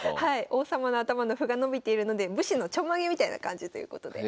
王様の頭の歩が伸びているので武士のちょんまげみたいな感じということで。